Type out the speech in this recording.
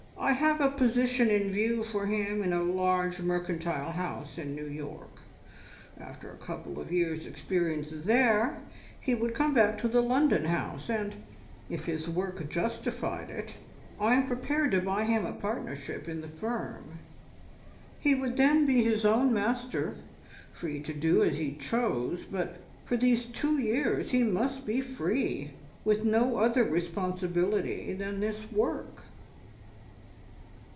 I have a position in view for him in a large mercantile house in New York. After a couple of years' experience there he would come back to the London house, and, if his work justified it, I am prepared to buy him a partnership in the firm. He would then be his own master, free to do as he chose, but for these two years he must be free, with no other responsibility than this work."